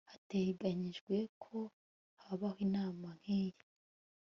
Hateganijwe ko habaho inama nkiyi